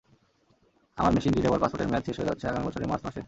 আমার machine readable পাসপোর্টের মেয়াদ শেষ হয়ে যাচ্ছে আগামী বছরের মার্চ মাসে।